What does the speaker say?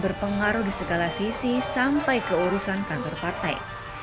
berpengaruh di segala sisi sampai keurusan kantor partai